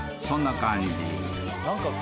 そんな感じ］